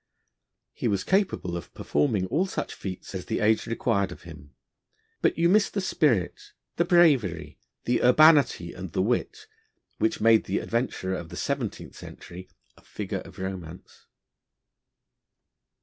He was capable of performing all such feats as the age required of him. But you miss the spirit, the bravery, the urbanity, and the wit, which made the adventurer of the seventeenth century a figure of romance.